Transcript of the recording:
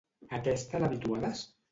A què estan habituades?